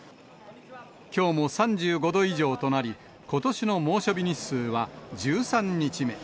きょうも３５度以上となり、ことしの猛暑日日数は１３日目。